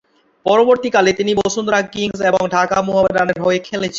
পরবর্তীকালে, তিনি বসুন্ধরা কিংস এবং ঢাকা মোহামেডানের হয়ে খেলেছেন।